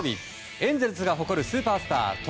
エンゼルスが誇るスーパースタート